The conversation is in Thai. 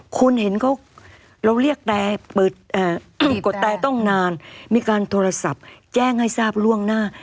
คนเห็นเขาเราเรียกแต่เปิดถูกกดแตรต้องนานมีการโทรศัพท์แจ้งให้ทราบล่วงหน้า